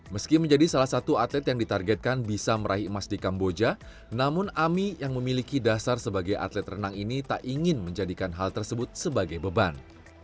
meski menjadi salah satu atlet yang ditargetkan bisa meraih emas di kamboja namun ami yang memiliki dasar sebagai atlet renang ini tak ingin menjadikan hal tersebut sebagai beban